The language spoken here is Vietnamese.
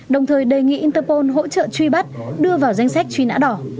đồng thời đề nghị interpol hỗ trợ truy bắt đưa vào danh sách truy nã đỏ